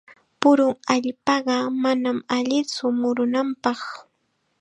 Purun allpaqa manam allitsu murunapaq.